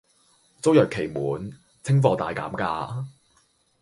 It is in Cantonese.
租約期滿，清貨大減價